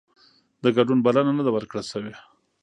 د ګډون بلنه نه ده ورکړل شوې